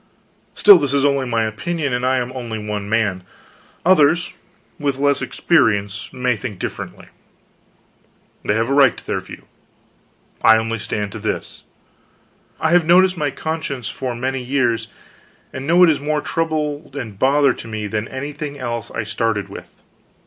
Still, this is only my opinion, and I am only one man; others, with less experience, may think differently. They have a right to their view. I only stand to this: I have noticed my conscience for many years, and I know it is more trouble and bother to me than anything else I started with.